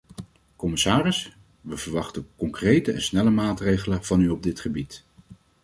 Commissaris, we verwachten concrete en snelle maatregelen van u op dit gebied.